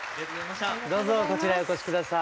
どうぞこちらへお越し下さい。